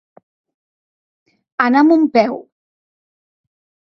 Anar amb un peu.